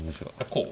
こう？